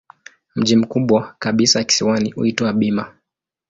Mji mkubwa kabisa kisiwani huitwa Bima.